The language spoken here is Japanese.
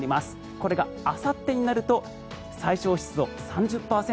これがあさってになると最小湿度３０％